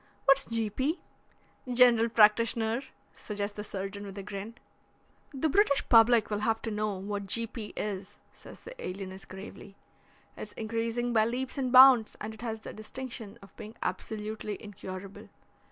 "What's G. P.?" "General practitioner," suggests the surgeon with a grin. "The British public will have to know what G. P. is," says the alienist gravely. "It's increasing by leaps and bounds, and it has the distinction of being absolutely incurable.